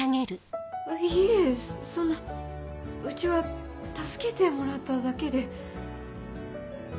いえそんなうちは助けてもらっただけで。